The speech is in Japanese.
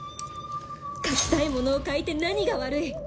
書きたいものを書いて何が悪い！